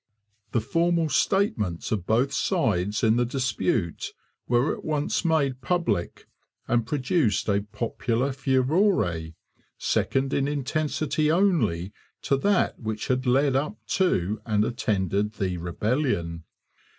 The formal statements of both sides in the dispute were at once made public and produced a popular furore, second in intensity only to that which had led up to and attended the rebellion.